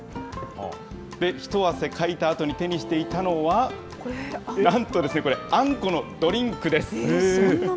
一汗かいたあとに手にしていたのは、なんと、これ、あんこのドリンクです。